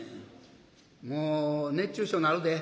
もう熱中症なるで。